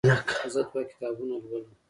زه دوه کتابونه لولم.